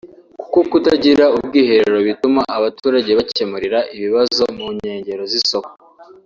kuko kutagira ubwiherero bituma abaturage bakemurira ibibazo mu nkengero z’isoko